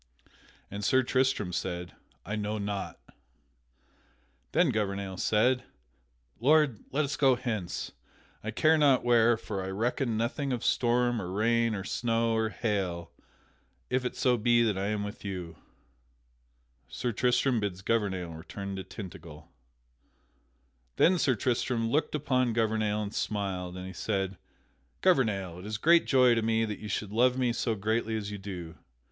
And Sir Tristram said, "I know not." Then Gouvernail said: "Lord, let us go hence, I care not where, for I reckon nothing of storm or rain or snow or hail if it so be that I am with you." [Sidenote: Sir Tristram bids Gouvernail return to Tintagel] Then Sir Tristram looked upon Gouvernail and smiled, and he said: "Gouvernail, it is great joy to me that you should love me so greatly as you do.